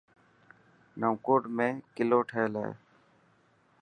نئونڪوٽ ۾ ڪلو ٺهيل هي.